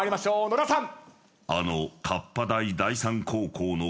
野田さん。